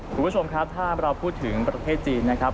คุณผู้ชมครับถ้าเราพูดถึงประเทศจีนนะครับ